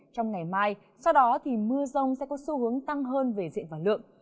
trong ngày mai sau đó thì mưa rông sẽ có xu hướng tăng hơn về diện và lượng